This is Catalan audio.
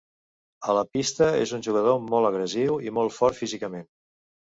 A la pista és un jugador molt agressiu i molt fort físicament.